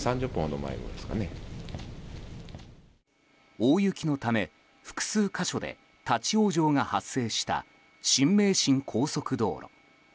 大雪のため複数箇所で立ち往生が発生した新名神高速道路。